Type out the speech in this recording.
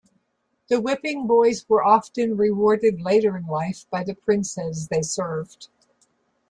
The whipping boys were often rewarded later in life by the princes they served.